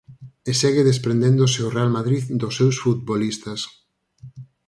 E segue desprendéndose o Real Madrid dos seus futbolistas.